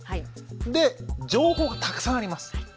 で情報がたくさんあります。